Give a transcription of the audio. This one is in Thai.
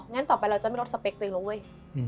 งั้นต่อไปเราจะไม่ลดสเปคตัวเองแล้วเว้ย